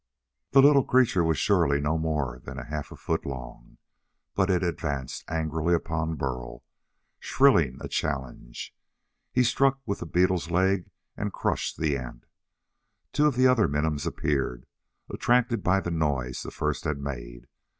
The little creature was surely no more than half a foot long, but it advanced angrily upon Burl, shrilling a challenge. He struck with the beetle's leg and crushed the ant. Two of the other minims appeared, attracted by the noise the first had made.